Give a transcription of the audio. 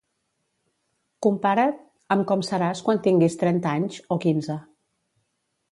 Compara't amb com seràs quan tinguis trenta anys, o quinze.